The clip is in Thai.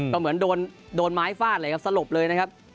ก็เหมือนโดนไม้ฟาดเลยครับสลบเลยนะครับ